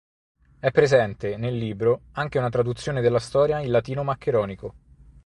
È presente, nel libro, anche una traduzione della storia in latino maccheronico.